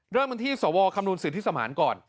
เริ่มกันที่สวคำนวณสิทธิสมานก่อน